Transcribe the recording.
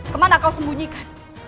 kemana kau sembunyikan